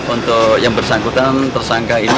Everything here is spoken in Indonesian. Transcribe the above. untuk yang bersangkutan tersangka ini